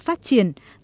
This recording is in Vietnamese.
được công ty ngày mai